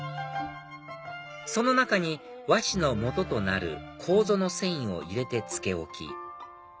その中に和紙のもととなるコウゾの繊維を入れて漬け置き